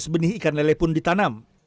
lima ratus benih ikan lele pun ditanam